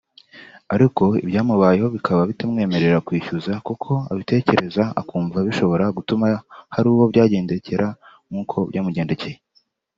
ariko ibyamubayeho bikaba bitamwemerera kwishyuza kuko abitekereza akumva bishobora gutuma hari uwo byagendekera nk’uko byamugendekeye